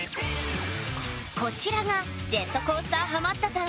こちらがジェットコースターハマったさん